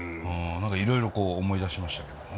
何かいろいろこう思い出しましたけどもね。